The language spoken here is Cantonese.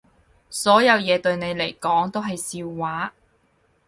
所有嘢對你嚟講都係笑話